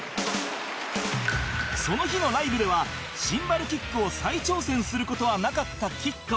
その日のライブではシンバルキックを再挑戦する事はなかった吉川